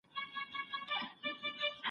هغه ژبي چي د څېړني لپاره اړیني دي باید زده سي.